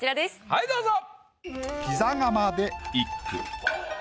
はいどうぞ。